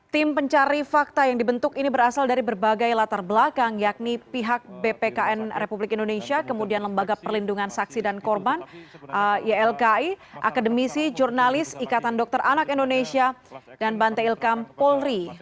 tim pencari fakta yang dibentuk ini berasal dari berbagai latar belakang yakni pihak bpkn republik indonesia kemudian lembaga perlindungan saksi dan korban ylki akademisi jurnalis ikatan dokter anak indonesia dan banta ilkam polri